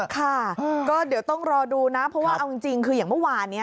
ค่ะก็เดี๋ยวต้องรอดูนะเพราะว่าเอาจริงคืออย่างเมื่อวานนี้